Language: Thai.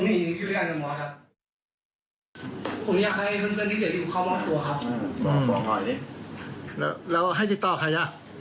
มันไม่ได้เป็นคนดีเขาแน่ถ้าเขายังอยู่เนี่ย